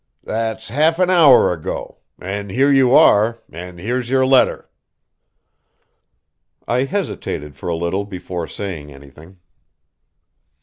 That's half an hour ago, an' here you are, an' here's your letter." I hesitated for a little before saying anything.